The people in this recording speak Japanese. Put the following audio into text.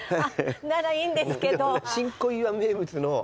ならいいんですけど。